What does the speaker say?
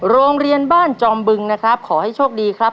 โรงเรียนบ้านจอมบึงนะครับขอให้โชคดีครับ